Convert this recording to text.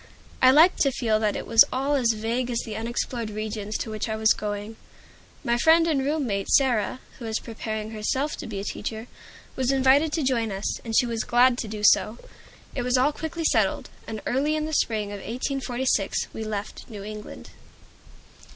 I liked to feel that it was all as vague as the unexplored regions to which I was going. My friend and room mate Sarah, who was preparing herself to be a teacher, was invited to join us, and she was glad to do so. It was all quickly settled, and early in the spring of 1846 we left New England.